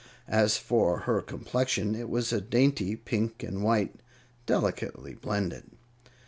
As for her complexion, it was a dainty pink and white, delicately blended.